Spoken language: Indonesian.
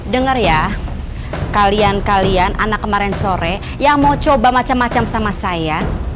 dengar ya kalian kalian anak kemarin sore yang mau coba macam macam sama saya